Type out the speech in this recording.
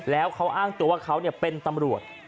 แล้วเขาอ้างตัวว่าเขาเป็นตำรวจ